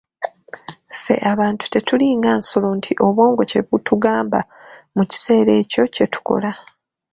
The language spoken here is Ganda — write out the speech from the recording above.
Ffe abantu tetulinga nsolo nti obwongo kye butugamba mu kiseera ekyo kye tukola.